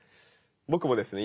僕もですね